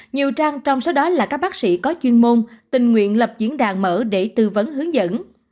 nhiều trang trong số đó là các bác sĩ có chuyên môn tình nguyện lập diễn đàn mở để tư vấn hướng dẫn